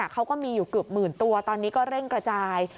เขาก็มีอยู่เกือบหมื่นตัวตอนนี้ก็เร่งกระจาย